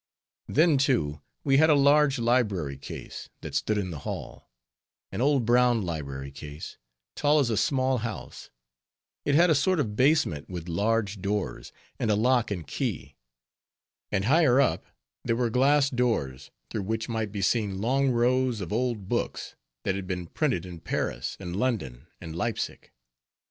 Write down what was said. Then, too, we had a large library case, that stood in the hall; an old brown library case, tall as a small house; it had a sort of basement, with large doors, and a lock and key; and higher up, there were glass doors, through which might be seen long rows of old books, that had been printed in Paris, and London, and Leipsic.